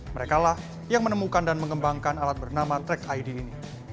mereka lah yang menemukan dan mengembangkan alat bernama track id ini